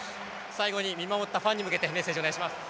最後に見守ったファンに向けてメッセージをお願いします。